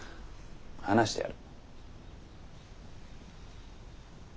話してある。